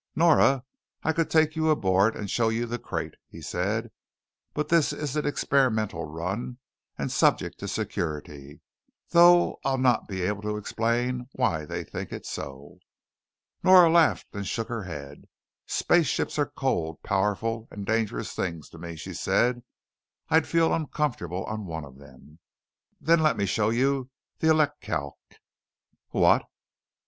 "Normally I could take you aboard and show you the crate," he said. "But this is an experimental run and subject to security, though I'll not be able to explain why they think it so." Nora laughed and shook her head. "Space ships are cold, powerful, and dangerous things to me," she said. "I'd feel uncomfortable on one of them." "Then let me show you the elecalc." "What?"